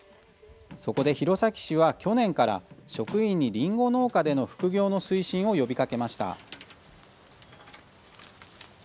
そこで、弘前市は去年から職員にりんご農家での副業の推進を呼びかけました。